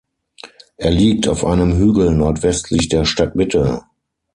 Er liegt auf einem Hügel nordwestlich der Stadtmitte.